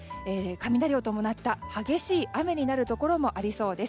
雷を伴った激しい雨になるところもありそうです。